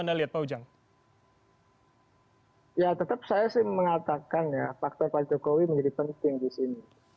anda lihat pak ujang ya tetap saya sih mengatakan ya faktor pak jokowi menjadi penting di sini